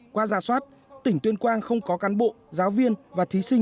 qua giả soát tỉnh tuyên quang không có cán bộ giáo viên và thí sinh